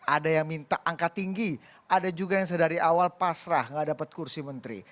ada yang minta angka tinggi ada juga yang sedari awal pasrah gak dapat kursi menteri